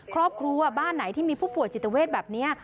ครอบครัวบ้านไหนที่มีผู้ป่วยจิตเวทแบบนี้